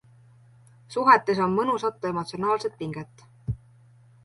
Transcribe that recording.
Suhetes on mõnusat emotsionaalset pinget.